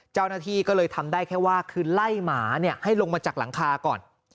เจ้าหน้าที่ก็เลยทำได้แค่ว่าคือไล่หมาให้ลงมาจากหลังคาก่อน